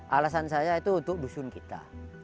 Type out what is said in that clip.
alasan saya itu untuk dusun kita